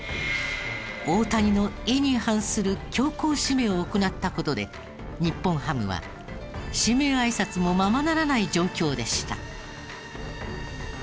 大谷の意に反する強行指名を行った事で日本ハムは指名挨拶もままならない状況でした。